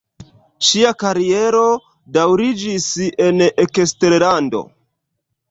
Ŝia kariero daŭriĝis en eksterlando.